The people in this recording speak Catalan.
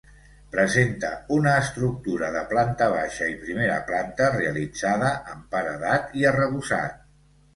Presenta una estructura de planta baixa i primera planta, realitzada amb paredat i arrebossat.